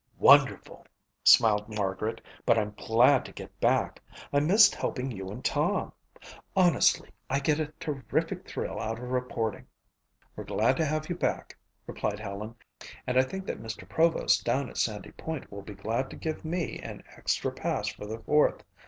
"Wonderful," smiled Margaret, "but I'm glad to get back. I missed helping you and Tom. Honestly, I get a terrific thrill out of reporting." "We're glad to have you back," replied Helen, "and I think Mr. Provost down at Sandy Point will be glad to give me an extra pass for the Fourth.